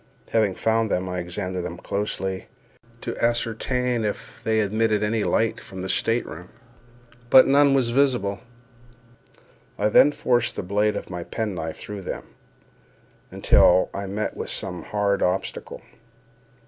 Having found them, I examined them closely to ascertain if they emitted any light from the state room; but none was visible. I then forced the blade of my pen knife through them, until I met with some hard obstacle.